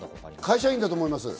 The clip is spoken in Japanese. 会社員だと思います。